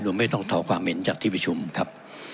โดยไม่ต้องขอความเห็นจากที่ประชุมครับ